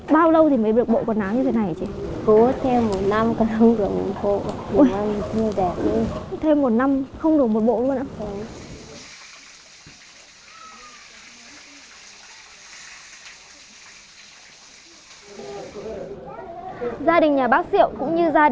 bao lâu thì mới được bộ quần áo như thế này hả chị